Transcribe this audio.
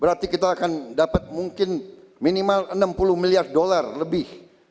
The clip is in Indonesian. berarti kita akan dapat mungkin minimal enam puluh miliar dolar lebih